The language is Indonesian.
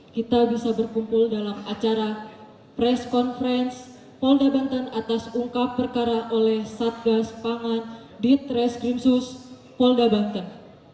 kita bisa berkumpul dalam acara pres konferensi polda banten atas ungkap perkara oleh satgas pangan di tres grimsus polda banten